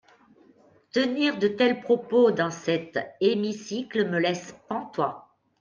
Tenir de tels propos dans cet hémicycle me laisse pantois.